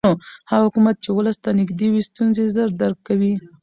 هغه حکومت چې ولس ته نږدې وي ستونزې ژر درک کوي